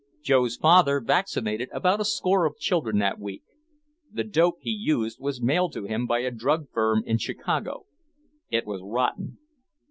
Joe's father vaccinated about a score of children that week. The "dope" he used was mailed to him by a drug firm in Chicago. It was "rotten."